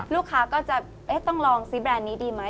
ลูกค้าก็จะต้องลองซื้อแบรนด์นี้ดีไหม